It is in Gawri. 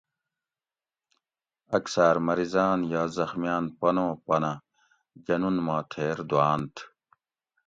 اکثاۤر مریضاۤن یا زخمیاۤن پنو پنہ جنون ما تھیر دوانتھ